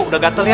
sudah gatel ya